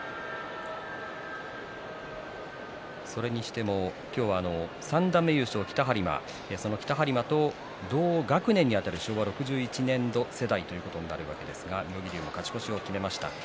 それにしても三段目優勝、北はり磨その北はり磨と同学年にあたる昭和６１年度世代ということになるわけですが妙義龍が勝ち越しを決めました。